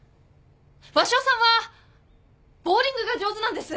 鷲尾さんはボウリングが上手なんです！